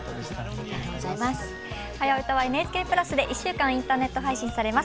「はやウタ」はＮＨＫプラスで１週間インターネット配信されます。